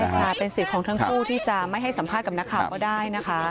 ใช่ค่ะเป็นสิทธิ์ของทั้งคู่ที่จะไม่ให้สัมภาษณ์กับนักข่าวก็ได้นะคะ